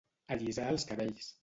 Allisar els cabells.